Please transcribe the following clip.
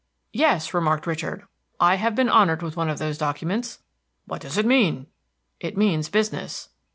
"Yes," remarked Richard, "I have been honored with one of those documents." "What does it mean?" "It means business."